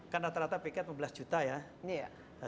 kan rata rata tiket lima belas juta ya